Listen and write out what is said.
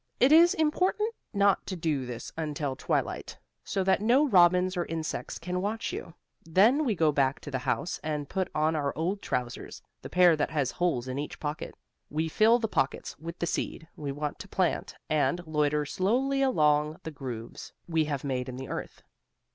It is important not to do this until twilight, so that no robins or insects can watch you. Then we go back in the house and put on our old trousers, the pair that has holes in each pocket. We fill the pockets with the seed, we want to plant and loiter slowly along the grooves we have made in the earth.